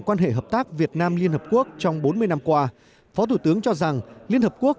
quan hệ hợp tác việt nam liên hợp quốc trong bốn mươi năm qua phó thủ tướng cho rằng liên hợp quốc